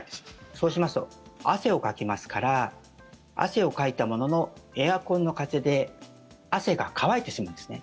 そうしますと、汗をかきますから汗をかいたもののエアコンの風で汗が乾いてしまうんですね。